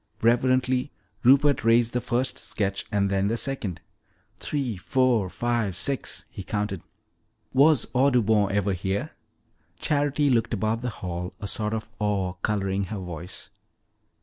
Reverently Rupert raised the first sketch and then the second. "Three, four, five, six," he counted. "Was Audubon ever here?" Charity looked about the hall, a sort of awe coloring her voice.